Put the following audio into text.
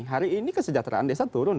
hari ini kesejahteraan desa turun